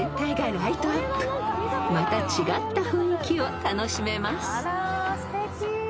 ［また違った雰囲気を楽しめます］